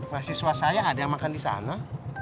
mahasiswa saya ada yang makan di sana